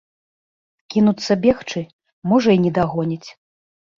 Кінуцца бегчы, можа, і не дагоніць.